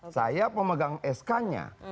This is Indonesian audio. saya pemegang sk nya